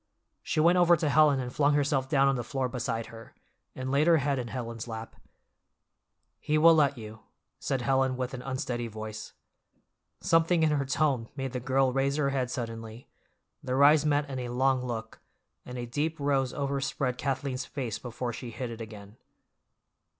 She went over to Helen and flung herself down on the floor beside her, and laid her head in Helen's lap. "He will let you," said Helen with an unsteady voice. Something in her tone made the girl raise her head suddenly—their eyes met in a long look, and a deep rose overspread Kathleen's face before she hid it again.